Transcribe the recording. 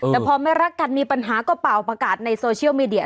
แต่พอไม่รักกันมีปัญหาก็เป่าประกาศในโซเชียลมีเดีย